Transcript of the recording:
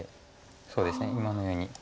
そうですね今のように。